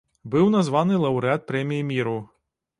Быў названы лаўрэат прэміі міру.